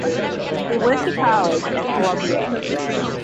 He went to college at Columbia.